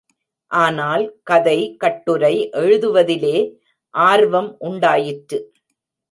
ஆனால், கதை, கட்டுரை எழுதுவதிலே ஆர்வம் உண்டாயிற்று.